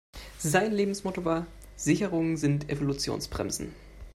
Sein Lebensmotto war: Sicherungen sind Evolutionsbremsen.